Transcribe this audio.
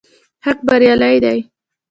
حق بريالی دی